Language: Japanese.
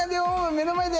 目の前で！